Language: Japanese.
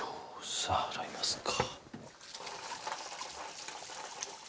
さあ洗いますか。